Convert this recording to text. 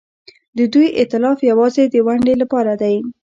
د دوی ائتلاف یوازې د ونډې لپاره دی.